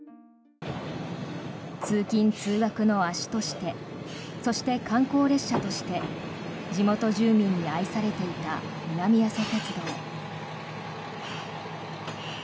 通勤・通学の足としてそして、観光列車として地元住民に愛されていた南阿蘇鉄道。